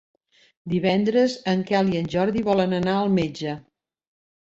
Divendres en Quel i en Jordi volen anar al metge.